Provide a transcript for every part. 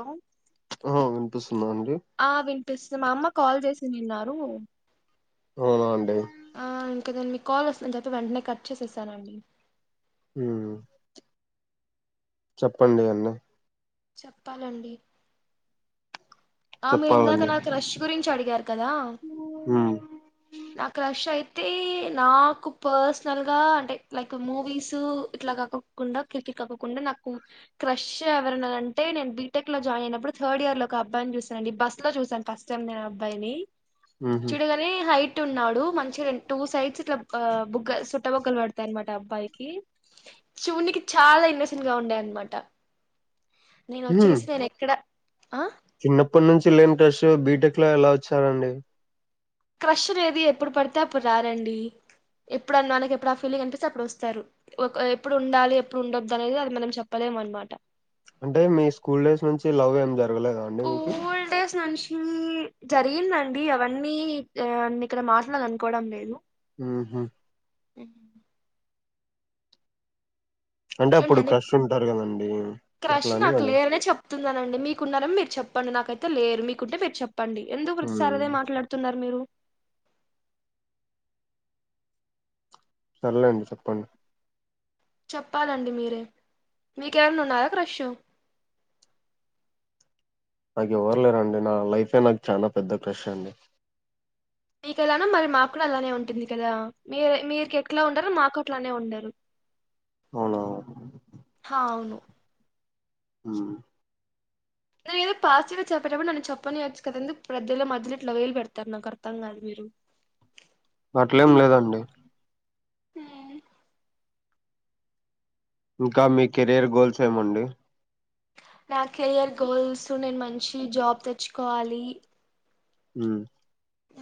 ఆ ఆ వినిపిస్ ఆ వినిపిస్త మా అమ్మ కాల్ చేసినిన్నారు. అవునా అండి? ఇంక నేను మీ కాల్ వస్తుంది అని చెప్పి, వెంటనే కట్ చేసేసానండి. మ్ చెప్పండి అదన్న చెప్పాలండి. ఆ మీరు ఇందాక చెప్పాలండి నా క్రష్ గురించి అడిగారు కదా! ఉమ్ నా క్రష్ అయి నాకు పర్సనల్ గా అంటే లైక్ మూవీస్ ఇట్లా కాకోకుండా, క్రికె కాకోకుండా, నాకు క్రష్ ఎవరనదంటె నేను బీటెక్ లో జాయిన్ అయినప్పుడు, థర్డ్ ఇయర్ లో ఒక అబ్బాయిని చూస్ బస్ లో చూసాను ఫస్ట్ టై నేను అబ్బాయిని, ఉహు చూడగానే హైట్ ట్ ఉన్నాడు. మంచిగ టూ సైడ్స్ ఇట్లా బుగ్గ, సోట్ట బుగ్గలు పడతాయి అనమాట అబ్బాయికి. చూడ్ నీకే చాల ఇన్నోసెంట్ గా ఉండే అన్నమాట. ఉమ్ నేనొచ్చేసి నేను ఎక్కడ, ఆ చిన్నప్పటి నుంచి లేని క్రష్ బీటెక్ లో ఎలా వచ్చారండి? క్రష్ అనేది ఎప్పుడు పడితే అప్పుడు రారండి ఎప్పుడనానికి ఎప్పుడు ఆ ఫీలింగ్ అనిపిస్తే అప్పుడు వస్తారు. ఒక ఎప్పుడు ఉండాలి, ఎప్పుడు ఉండొద్దు అనేది, అది మనం చెప్పలేం. మనమాట. అంటే, మీ స్కూల్ డేస్ నుంచి లవ్ ఏం జర స్కూల్ డేస్ నుంచి, జరిగిందండి. అవన్నీ ఇక్కడ మాట్లాడ్ అనుకోవడం లేదు. మ్ హు మ్ అంటే అప్పుడు ఏంటండి? క్రష్ ఉంటారు కదండి క్రష్ అట్లా అని నాకు అడు లేరని చెప్తున్నానండి. మీకున్నార మీరు చెప్ ప్పండి నాకైతే లేరు. మీకుంటే, మీరు చెప్పండి. ఎందుకు ఉమ్ ప్రతిసారి అదే మాట్లాడుతున్నారు మీరు? సర్లేండి చెప్పండి. చెప్పాలండి మీరే. మీకు ఏవన్న ఉన్నాయ క్రష్? నాకు ఎవ్వరు లేరండి. నా లైఫే నాకు చాల పెద్ద క్రెష్ అండి. మీకెలానో మరి మాక్కూడ అలానే ఉంటుంది కదా! మీరు మీకెట్ల ఉండరో, మాక్కూడా అట్లనే ఉండరు. అవునా హ అవును. మ్ నేనేదో పాజిటివ్ గా చెప్పేటప్పుడు నన్ను చెప్పనియచ్చు కదా! ఎందుకు మధ్యలో, మధ్యలో ఇట్లా వేలు పెడతారు నాకు అర్తం కాదు మీరు. అట్లేం లేదండి. మ్ ఇంకా మీ కెరీయర్ గోల్స్ ఏమండి? నా కెరియర్ గోల్స్ నేను మంచి జాబ్ తెచ్చుకోవాలి మ్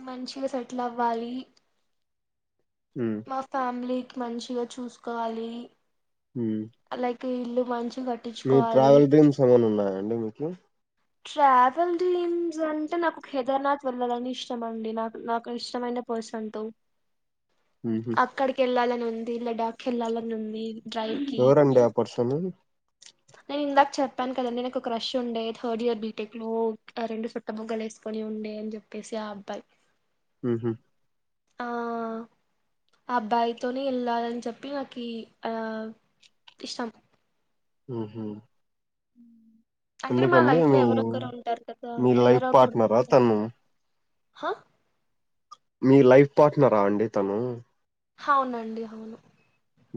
మంచిగా సెటిల్ అవ్వాలి ఉమ్ మా ఫ్యామిలీకి మంచిగా చూసుకోవాలి మ్ లైక్ ఇల్లు మంచి మీ ట్రావెల్ డ్రీమ్స్ ఏమైనా ఉన్నాయా అండి మీకు ట్రావెల్ డ్రిమ్స్ అంటే నాకు కేదర్నాథ్ వెళ్ళాలని ఇష్టమ అండి నాకు నాకు ఇష్టమైన పసంతం ఉహు అక్కడకి ఎల్లల ఉంది లడాక్ ఎల్లల నొంది ఎరండి ఆ పర్సను నేను ఇందాక చెప్పాను కదండి నాకు ఒక క్రష్ ఉండే థర్డ్ ఇయర్ బీటెక్ లో రెండు చుట్ట బుగ్గలు వేసు కొని ఉండే అని చెప్పేసి ఆ అబ్బాయి మ్ హు ఆ ఆ అబ్బాయితోనే వెళ్ళాలని చెప్పి నాకు ఆ ఇష్టం మ్ హు హ అంటే మా లైఫ్ లో ఎవరొ ఒకరు ఉంటారు కదా మీ లైఫ్ ఎవరొ ఒకరు పార్ట్నరా ఉంటారు తను హా మీ లైఫ్ పార్ట్నరా అండి తను అవునండి అవును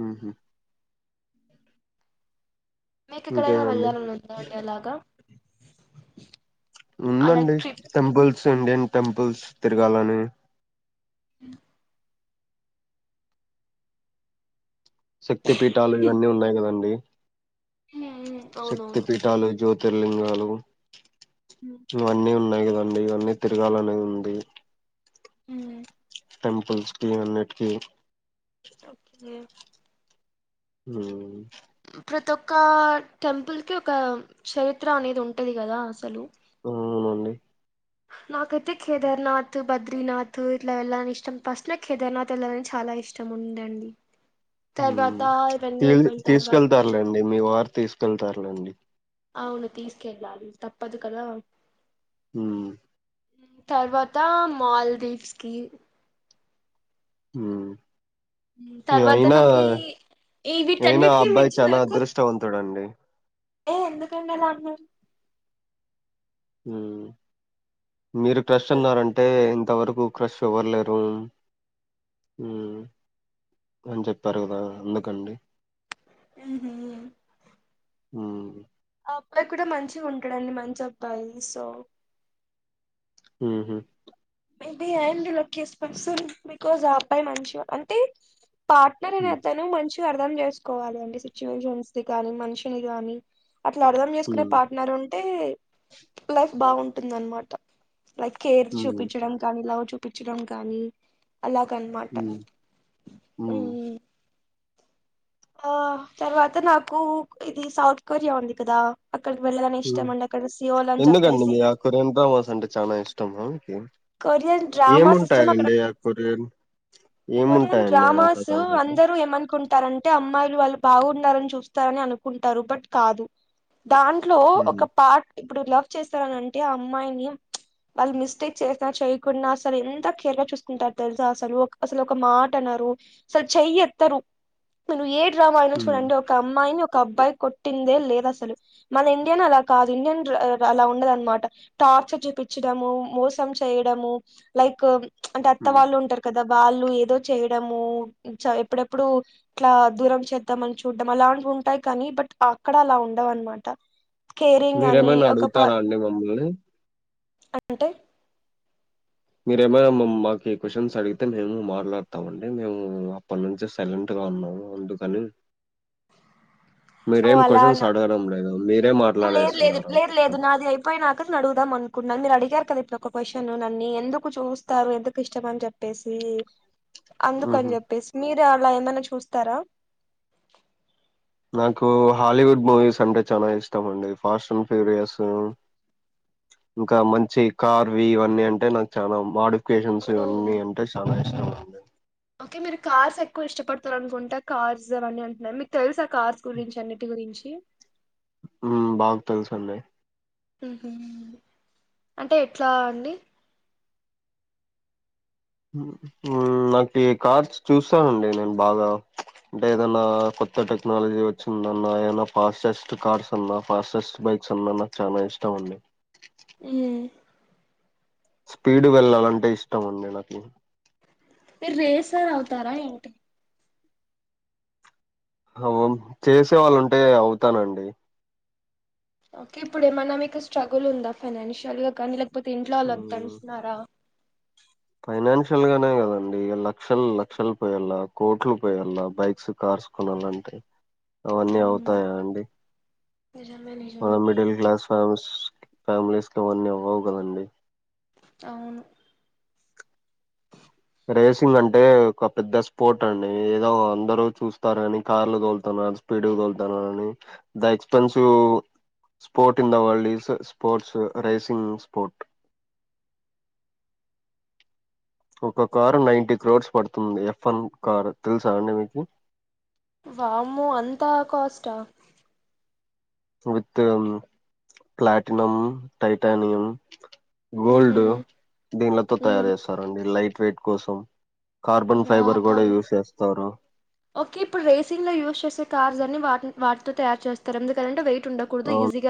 మ్ హు మీకు ఎక్కడికైనా ఇంకేమండి వెళ్లాలని ఉందా అలాగా అలా ఉందండి ట్రిప్స్ టెంపుల్స్ ఇండియన్ టెంపుల్స్ తిరగాలని హ శక్తి పీఠాలు ఇవన్నీ ఉన్నాయి కదండి శక్తి అవునవును పీఠాలు జ్యోతిర్లింగాలు ఇవన్నీ ఉన్నాయి కదండడి ఇవన్నీ తిరగాలనే ఉంది మ్ టెంపుల్స్ కి అన్నింటికీ ఓకే మ్ ప్రతి ఒక్క టెంపుల్కి ఒక చరిత్ర అనేది ఉంటది కదా అసలు అ అవునండి నాకైతే కేదార్నాథ్ బద్రీనాథ్ ఇట్లా వెళ్ళని ఇష్టం ఫస్ట్ లో కేదార్నాథ్ వెళ్లా చాలా చాలా ఇష్టం ఉందండి తర్వాత మ్ ఇవన్నీ అయిపోయిన తర్వాత తీసుకెళ్తారులేండి మీ వారు తీసుకెళ్తారులేండి అవును తీసుకెళ్ళాలి తప్పదు కదా మ్ తర్వాత మాల్దీవ్స్ కి మ్ మీ తర్వాత ఆయన నాకి ఈ అయినా వీటన్నిటికీ అబ్బాయి మించి చనా నాకు అదృష్టవంతుడుండి ఏ ఎందుకండీ అలా అంటున్నారు మీరు క్రస్ అన్నారంటే ఇంతవరకు క్రష్ ఎవర్లేరు మ్ అని చెప్పారు కదా అందుకండి మ్ హు మ్ అబ్బాయికి కూడా మంచిగా ఉంటాడండి మంచి అబ్బాయి సో. ఉహు మెయింటి అండ్ లోకేస్ట్ పర్సన్ బికాజ్ ఆ అబ్బాయి మంచివ అంటే పార్ట్నర్ అనే హ్మ్ అతను మంచిగా అర్థం చేసుకోవాలి అండి సిచ్యువేషన్స్ గాని మనిషిని గాని. అట్లా అర్ధం చేసుకునే హ్మ్ పార్ట్నర్ ఉంటే లైఫ్ బాగుంటుందనమాట. లైక్ కేర్ హ్మ్ చూపించడం కానీ లవ్ చూపించడం కానీ అలా గనమాట హ్మ్ ఉ హ్మ్ ఆ తర్వాత నాకు ఇది సౌత్ కొరియా ఉంది కదా అక్కడికి వెళ్ళాలని ఉ ఇష్టం అండి అక్కడ సియోల్ అని ఎందుకండి చెప్పేసి మీ ఆ కొరియన్ డ్రామ్స్ అంటే చానా ఇష్టమా మీకి. కొరియన్ డ్రామస్ ఇస్టమ్ అక్కడ ఏముంటాయండి ఆ కొరియన్ కొరియన్ ఏముంటాయండి అంతగా డ్రామాసు అందులో అందరు ఏమనుకున్ తారంటే అమ్మాయిలు వాళ్ళు బాగున్నారని చూస్తారని అనుకుంటారు బట్ కాదు. దాంట్లో హ్మ్ ఒక పట్ ఇప్పుడు లవ్ చేస్తారనింటే ఆ అమ్మాయిని చ్ వాళ్ళు మిస్టేక్ చేసినా చేయకున్నా అసలు ఎంత కేర్ గా చూసుకుంటారు తెలుసా, అసలు అసలు ఒక మాట అన్నారు అసల్ చ్ చెయి ఎత్తరు నువ్వు ఏ డ్రామా ఐనా హ్మ్ చూడండి ఒక అమ్మాయిని ఒక్ క అబ్బాయి కొట్టిందే లేదు అసలు, మన ఇండియన్ అలా కాదు ఇండియన్ డ్రా అ అలా ఉండదనమాట. ట టార్చర్ చూపించడము మోసం చేయడము లైక్ చ్ అంటే అత్త హ్మ్ వాళ్ళు ఉంటారు కదా. వాళ్ళు ఏదో చేయడము చ ఎప్పుడెప్పుడు ఇట్లా దూరం చేద్దామని చూడ్డం అలా ఉంటాయి కానీ బట్ అక్కడ అలా ఉండవు అనమాట. కేరింగ్ గాని మీరేమైనా ఒక ప అడుగుతారా అండి మమ్మల్ని? అంటే మీరేమైనా మ్ మ మాకి క్వశ్చన్స్ అడిగితే మేము మాట్లాడతామండి, మేము అప్పటి నుంచి సైలెంట్గా గా ఉన్నామ్ అందుకని ఓ మీరేమ్ అలా క్వశ్చన్స్ అన- అడగడం లేదు మీరే లేదు లేదు మాట్లాడేస్తున్నరు లేదు మొత్తం. లేదు నాది అయిపోయినాక నేను అడుగుదాం అనుకున్నాన్ మీరు అడిగార్ కదా ఇప్పుడు ఒక క్వశ్చన్ నన్నీ ఎందుకు చూస్తారు ఎందుకు ఇష్టం అని చెప్పేసి. అందుకు ఆహా! అని చెప్పేసి మీరు అలా ఏమన్నా చూస్తారా. నాకు హాలీవుడ్ మూవీస్ అంటే చాలా ఇష్టం అండి ఫాస్టండ్ ఫ్యూరియసు ఇంకా మంచి కార్వి ఇవన్నీ అంటే నాకు చాలా మాడ్ లొకేషన్స్ ఓ ఇవన్నీ అంటే చాలా ఇష్టము ఓకే మీరు కార్స్ ఎక్కువ ఇష్టపడతారు అనుకుంటా కార్స్ అవన్నీ అంటున్నారు, మీకు తెలుసు ఆ కార్స్ గురించి అన్నిటి గురిన్ రించి ఉ బాగా తెలుసండి ఉహు అంటే ఎట్లా అండి ఉ ఉ నాకు కార్స్ చూస్తానండి నేను బాగా అంటే ఏదన్నా కొత్త టెక్నాలజీ వచ్చిందన్న ఏన్నా ఫాస్టెస్ట్ కార్స్ అన్నా ఫాస్టెస్ట్ బై ఫిక్స్చన్న నాకు చానా ఇష్టం అండి ఉ స్పీడు వెళ్లాలంటే ఇష్టం అండి నాకు మీరు రేసర్ అవుతారా ఏంటి అవొమ్ చేసే వాళ్ళు ఉంటే అవుతానండి ఓకే ఇప్పుడు ఏమన్నా మీకు స్ట్రగులు ఉందా ఫైనాన్షియల్ గాని లైక్ కాకపోతే ఇంట్లో వాళ్ళు ఉమ్, వద్దనుంటున్నారా ఫైనాన్షియల్ గానే కదండి ఇ లక్షలు లక్షలు పోయేలా కోట్లు పోయేల్లా బైక్స్ కార్స్ కొనాలన్ నంటే అవన్నీ మ్, అవుతాయా అండి నిజమే మన నిజమే మిడిల్ క్లాస్ ఫ్యామిలీస్ ఫ్యామిలీస్కి ఇవన్నీ అవ్వవు కదండి. అవును రేసింగ్ అంటే ఒక పెద్ద స్పోట్ అండి ఏదో అందరు చూస్తారు కాని కార్లు కొంటాన్నారు. స్పీ స్పీడుగా తోలుతున్నాడని the expensive sport in the world is స్ స్పపోర్ట్స్ రేసింగ్ స్పోర్టు. [inaudible] ఒక కారు నైన్టీ క్రోడ్స్ పడుతుంది ఎఫ్ఎన్ కారు తెలుసా అండి మీకు వాము అంతా కాష్టా విత్ ప్లాటినమ్ టైటనియంయం మ్హూ. గోల్డ్ దీనిలతో మ్హూ. తయారు చేస్తారండి లైట్ వెయిట్ కోసం కార్బన్ వా ఫైబర్ కూడా యూస్ చేస్తారు ఓకే ఇప్పుడు రేసింగ్ లో యూస్ చేసే కార్ వాటి వాటితో తయారు చేస్తారు ఎందుకంటే వెయిట్ ఉండకూడదు ఆ ఈజీగా